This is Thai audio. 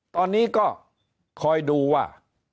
ตอนนี้ก็คอยดูว่า